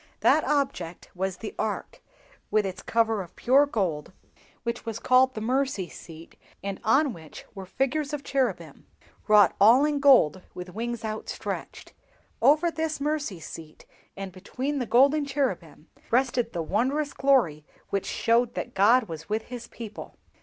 That object was the Ark, with its cover of pure gold which was called the 'Mercy seat,' and on which were figures of cherubim, wrought also in gold, with wings outstretched. Over this Mercy seat, and between the golden cherubim rested the wondrous glory which showed that God was with his people.